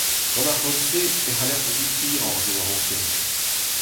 Gant ar c'hod-se e c'haller gouzout hiroc'h diwar o fenn !